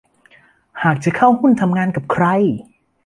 หากจะเข้าหุ้นทำงานกับใคร